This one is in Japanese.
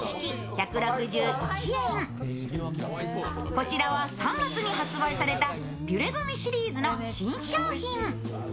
こちらは３月に発売されたピュレグミシリーズの新商品。